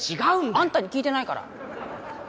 あんたに聞いてないから。